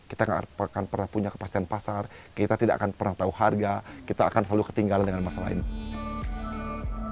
kita tidak akan pernah punya kepastian pasar kita tidak akan pernah tahu harga kita akan selalu ketinggalan dengan masalah ini